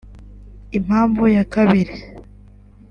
Impamvu ya kabiri